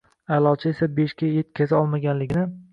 Aʼlochi esa besh ga yetkaza olmaganligi